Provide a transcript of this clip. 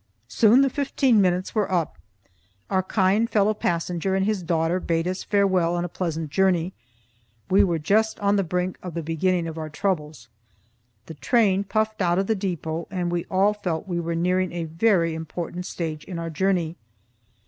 Soon the fifteen minutes were up, our kind fellow passenger and his daughter bade us farewell and a pleasant journey (we were just on the brink of the beginning of our troubles), the train puffed out of the depot and we all felt we were nearing a very important stage in our journey.